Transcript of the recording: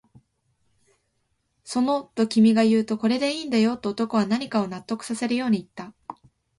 その、と君が言うと、これでいいんだよ、と男は何かを納得させるように言った